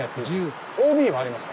ＯＢもありますか？